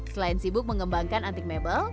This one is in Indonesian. selain sibuk mengembangkan antik mebel